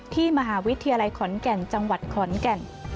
ที่มหาวิทยาลัยขอนแก่นจังหวัดขอนแก่น